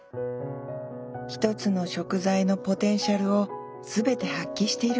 一つの食材のポテンシャルを全て発揮している感じですね。